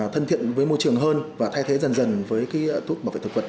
thân thiện với môi trường hơn và thay thế dần dần với thuốc bảo vệ thực vật